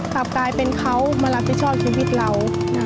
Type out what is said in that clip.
กลับกลายเป็นเขามารับผิดชอบชีวิตเรา